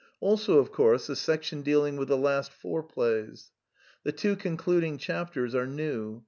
Also, of course, the section deal ing with the last four plays. The two concluding chapters are new.